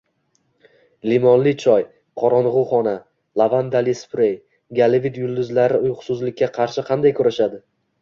Limonli choy, qorong‘i xona, lavandali sprey: Gollivud yulduzlari uyqusizlikka qarshi qanday kurashadi?